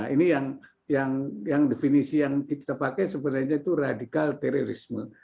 ini yang definisi yang kita pakai sebenarnya itu radikal terorisme